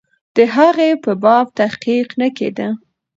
د هغې په باب تحقیق نه کېده.